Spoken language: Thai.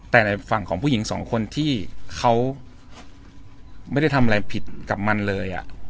แต่ในฝั่งของผู้หญิงสองคนที่เขาไม่ได้ทำอะไรผิดกับมันเลย